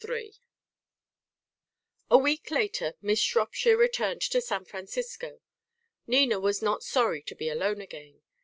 III A week later Miss Shropshire returned to San Francisco. Nina was not sorry to be alone again.